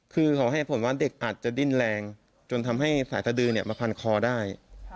คือเขาให้ผลว่าเด็กอาจจะดิ้นแรงจนทำให้สายสะดือมาพันคอได้